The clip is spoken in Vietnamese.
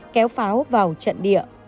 kéo pháo vào trận địa